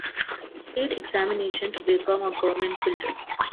State examination to become a government builder.